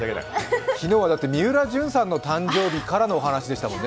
昨日はみうらじゅんさんからのお話でしたもんね。